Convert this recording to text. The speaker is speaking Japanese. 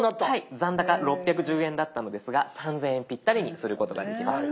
残高６１０円だったのですが３，０００円ぴったりにすることができました。